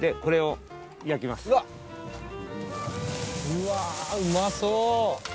うわあうまそう！